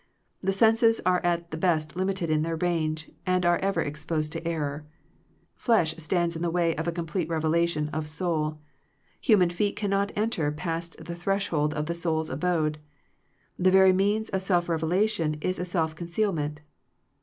The senses are at the best limited in their range, and are ever exposed to error. Flesh stands in the way of a complete revelation of soul. Human feet cannot enter past the threshold of the soul's abode. The very means of self revelation is a self conceal ment.